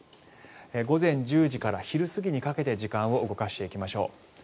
午前１０時から昼過ぎにかけて時間を動かしていきましょう。